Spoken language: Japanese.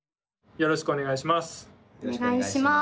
よろしくお願いします。